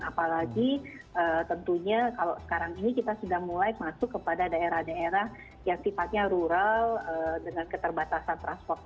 apalagi tentunya kalau sekarang ini kita sudah mulai masuk kepada daerah daerah yang sifatnya rural dengan keterbatasan transportasi